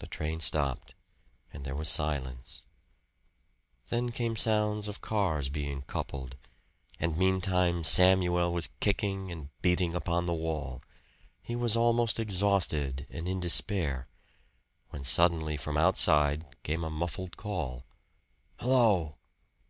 The train stopped and there was silence; then came sounds of cars being coupled and meantime Samuel was kicking and beating upon the wall. He was almost exhausted and in despair when suddenly from outside came a muffled call "Hello!"